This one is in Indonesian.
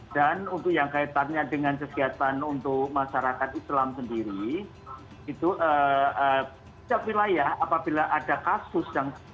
dan untuk yang kaitannya dengan kegiatan untuk masyarakat islam sendiri itu setiap wilayah apabila ada kasus yang terpaksa